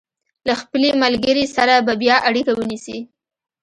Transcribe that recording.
له خپلې ملګرې سره به بیا اړیکه ونیسي.